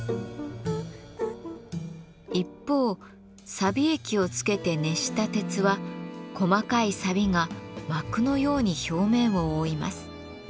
一方さび液をつけて熱した鉄は細かいさびが膜のように表面を覆います。